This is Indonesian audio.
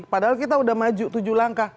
padahal kita sudah maju tujuh langkah